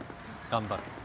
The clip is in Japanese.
頑張る。